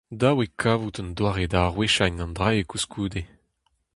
Dav eo kavout un doare da aroueziañ an dra-se koulskoude.